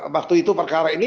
waktu itu perkara ini